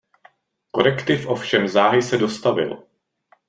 Korektiv ovšem záhy se dostavil.